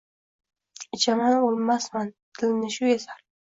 ichaman, o’lmasman, dilni shu ezar.